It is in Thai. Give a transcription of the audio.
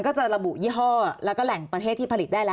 ก็จะระบุยี่ห้อแล้วก็แหล่งประเทศที่ผลิตได้แล้ว